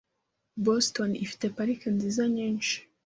Boston ifite parike nziza nyinshi .